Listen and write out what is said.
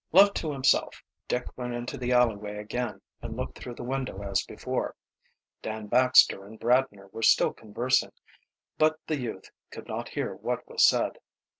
Left to himself Dick went into the alleyway again and looked through the window as before. Dan Baxter and Bradner were still conversing, but the youth could not hear what was said.